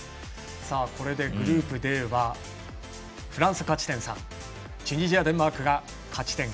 これでグループＤはフランス勝ち点３チュニジア、デンマークが勝ち点